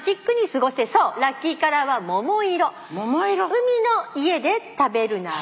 「海の家で食べるなら」